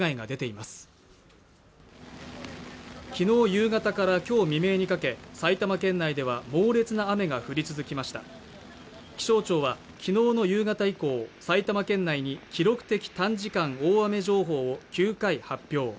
夕方からきょう未明にかけて埼玉県内では猛烈な雨が降り続きました気象庁はきのうの夕方以降埼玉県内に記録的短時間大雨情報を９回発表